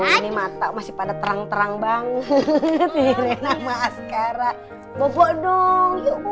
ini mata masih pada terang terang banget ini nama sekarang bobo dong yuk